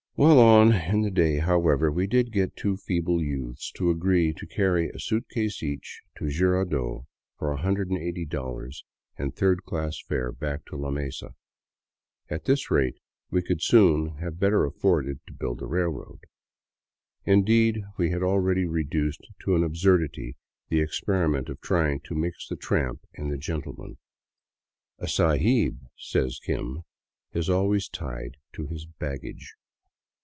Well on in the day, however, we did get two feeble youths to agree to carry a suitcase each to Jirardot for $i8o and third class fare back to La Mesa. At this rate we could soon have better afforded to build a railroad. Indeed, we had already reduced to an absurdity the ex periment of trying to mix the tramp and the gentleman. " A sahib," said Kim, " is always tied to his baggage."